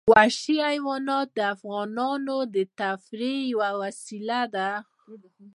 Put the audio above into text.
وحشي حیوانات د افغانانو د تفریح یوه وسیله ده.